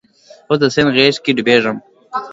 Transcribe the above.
اوس د سیند غیږ کې ډوبیږې